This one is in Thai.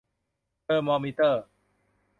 เทอร์มอมิเตอร์